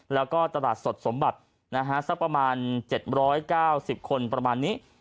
แล้วก็ตลาดสดสมบัติสักประมาณ๗๙๐คนประมาณนี้